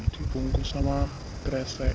dibungkus sama kresek